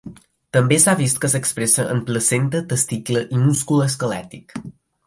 També s'ha vist que s'expressa en placenta, testicle i múscul esquelètic.